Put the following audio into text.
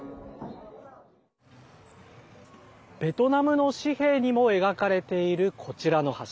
ベトナムの紙幣にも描かれているこちらの橋。